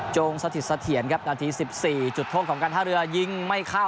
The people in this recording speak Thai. จงสถิตเสถียรครับนาที๑๔จุดโทษของการท่าเรือยิงไม่เข้า